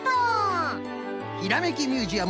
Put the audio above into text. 「ひらめきミュージアム」